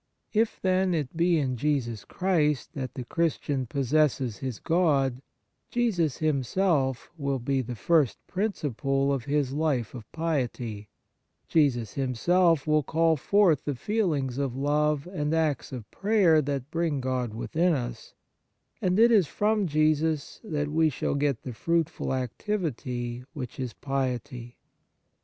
If, then, it be in Jesus Christ that the Christian possesses his God, Jesus Himself will be the first principle of his life of piety, Jesus Himself will call forth the feelings of love and acts of prayer that bring God within us, and it is from Jesus that we shall get the fruitful activity which is piety.